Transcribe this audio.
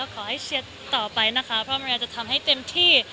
ขอให้เชียร์ต่อไปนะคะเพราะมันอยากจะทำให้เต็มที่